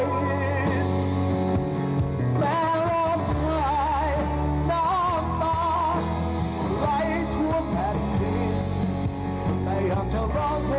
ว่าฉันรักพ่อ